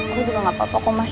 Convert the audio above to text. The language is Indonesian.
aku juga gak apa apa kok mas